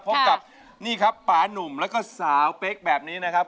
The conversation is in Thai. พบกับป๋านุ่มและก็สาวเป๊กแบบนี้นะครับ